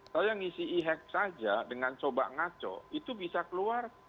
saya ngisi e hack saja dengan sobat ngaco itu bisa keluar